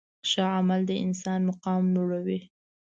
ښه عمل د انسان مقام لوړوي.